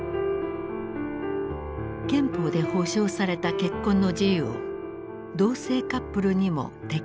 憲法で保障された結婚の自由を同性カップルにも適用したのである。